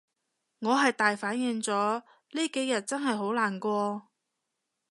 我係大反應咗，呢幾日真係好難過